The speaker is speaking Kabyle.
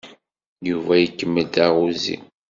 Yuba ikemmel taɣuzi.